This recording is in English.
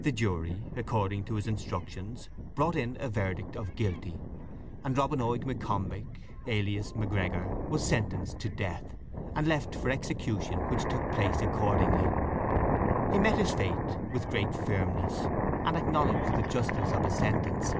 The jury, according to his instructions, brought in a verdict of Guilty; and Robin Oig M'Combich, alias M'Gregor, was sentenced to death, and left for execution, which took place accordingly. He met his fate with great firmness, and acknowledged the justice of his sentence.